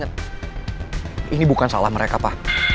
terus papa inget ini bukan salah mereka pa